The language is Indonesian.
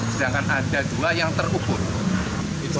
sedangkan ada dua yang terukur berarti sangat kecil